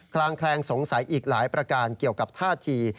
ลางแคลงสงสัยอีกหลายประการเกี่ยวกับท่าที